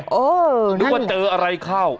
เออนั่นหรือว่าเจออะไรเข้า